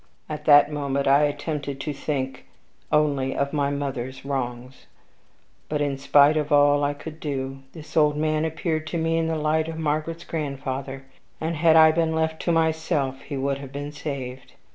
At that moment I attempted to think only of my mother's wrongs; but, in spite of all I could do, this old man appeared to me in the light of Margaret's grandfather and, had I been left to myself, he would have been saved.